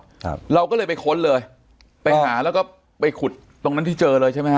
ครับเราก็เลยไปค้นเลยไปหาแล้วก็ไปขุดตรงนั้นที่เจอเลยใช่ไหมฮ